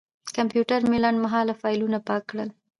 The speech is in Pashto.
کمپیوټر مې لنډمهاله فایلونه پاک کړل.